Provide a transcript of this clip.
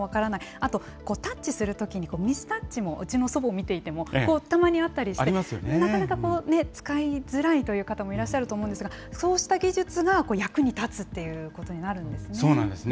あとタッチするときにミスタッチも、うちの祖母を見ていても、たまにあったりして、なかなか使いづらいという方もいらっしゃると思うんですが、そうした技術が役に立つということになるんですね。